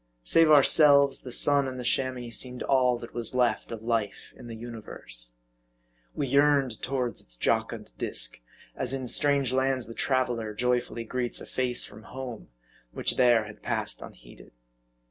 Save ourselves, the sun and the Chamois seemed all that was left of life in the universe. We yearned toward its jocund disk, as in strange lands the traveler joyfully greets a face from home, which there had passed unheeded.